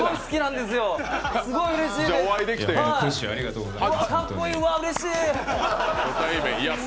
すごいうれしいです。